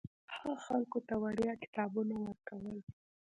هغه خلکو ته وړیا کتابونه ورکول.